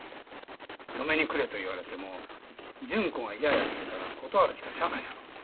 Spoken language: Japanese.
嫁にくれと言われても純子が嫌やと言うたら断るしかしゃあないやろ。